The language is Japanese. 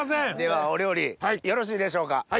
ではお料理よろしいでしょうか？